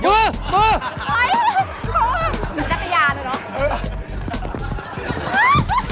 อุ๊ยอุ๊ยมีรักษยานอยู่หรอ